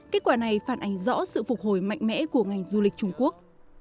kết quả này phản ảnh rõ sự phục hồi mạnh mẽ của ngành du lịch trung quốc